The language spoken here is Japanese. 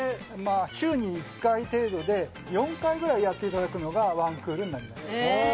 週に１回程度で４回くらいやっていただくのが１クールになります。